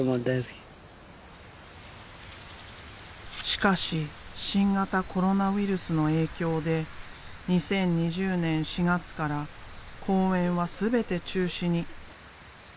しかし新型コロナウイルスの影響で２０２０年４月から公演は全て中止に。